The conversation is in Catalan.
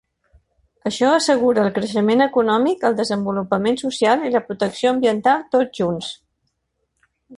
Això assegura el creixement econòmic, el desenvolupament social i la protecció ambiental tots junts.